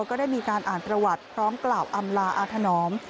ก็ได้มีการอ่านประวัติพร้อมกล่าวอำลาอาธนอม